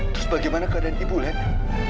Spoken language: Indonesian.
terus bagaimana keadaan ibu leti